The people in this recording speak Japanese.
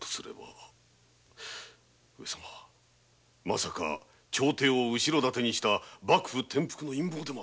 まさか朝廷を後ろ盾にした幕府転覆の陰謀が！？